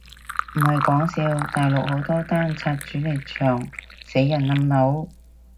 唔係講笑，大陸好多單拆主力牆死人冧樓？